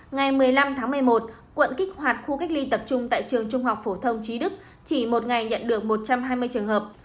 ngày một mươi năm tháng một mươi một quận kích hoạt khu cách ly tập trung tại trường trung học phổ thông trí đức chỉ một ngày nhận được một trăm hai mươi trường hợp